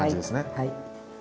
はい。